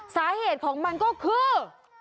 สาเหตุของมันก็คือ